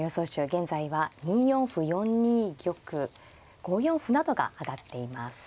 現在は２四歩４二玉５四歩などが挙がっています。